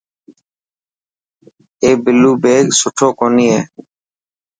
اي بلو بيگ سٺو ڪوني هي.